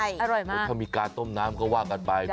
อร่อยมากถ้ามีการต้มน้ำก็ว่ากันไป